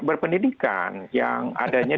berpendidikan yang adanya